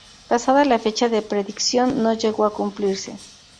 Pasada la fecha la predicción no llegó a cumplirse.